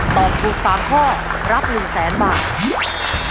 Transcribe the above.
ตอบถูกสามข้อรับหนึ่งแสนบาท